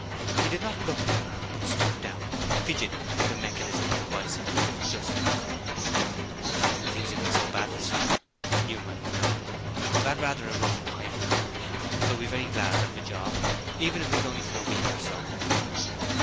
He did not look at the man, but stooped down, fidgeting with the mechanism of the bicycle as if adjusting it. 'Things have been so bad this summer,' Newman went on. 'I've had rather a rough time of it. I would be very glad of a job even if it was only for a week or so.'